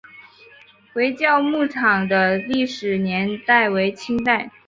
回教坟场的历史年代为清代。